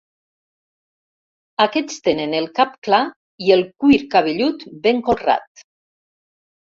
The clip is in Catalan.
Aquests tenen el cap clar i el cuir cabellut ben colrat.